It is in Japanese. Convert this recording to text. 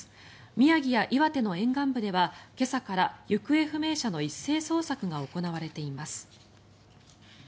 宮城や岩手の沿岸部では今朝から行方不明者の一斉捜索が行われています。